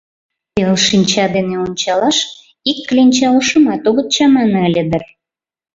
Пел шинча дене ончалаш ик кленча ошымат огыт чамане ыле дыр...